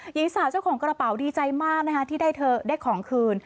หญิงสาวเจ้าของกระเป๋าดีใจมากนะคะที่ได้ของคืน